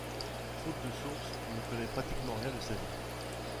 Faute de sources, on ne connait pratiquement rien de sa vie.